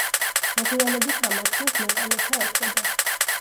მოგვიანებით ამ ადგილს მოწამეთა ეწოდა.